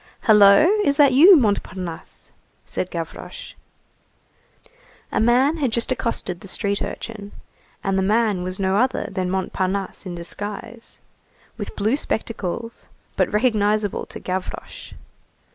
"Hullo, is that you, Montparnasse?" said Gavroche. A man had just accosted the street urchin, and the man was no other than Montparnasse in disguise, with blue spectacles, but recognizable to Gavroche.